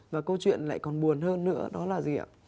và câu chuyện lại còn buồn hơn nữa đó là gì ạ